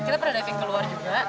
kita pernah diving ke luar juga